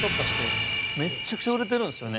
めちゃくちゃ売れてるんですよね。